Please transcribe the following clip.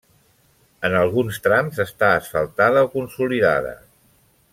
En alguns trams està asfaltada o consolidada.